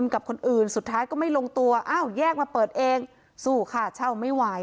กับคนอื่นสุดท้ายก็ไม่ลงตัวอ้าวแยกมาเปิดเองสู้ค่ะเช่าไม่ไหว